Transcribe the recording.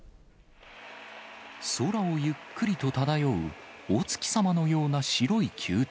空をゆっくりと漂う、お月様のような白い球体。